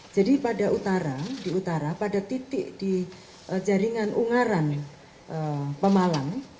jadi pada utara di utara pada titik di jaringan ungaran pemalang